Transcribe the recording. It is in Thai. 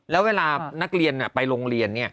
แล้วเวลานักเรียนไปโรงเรียน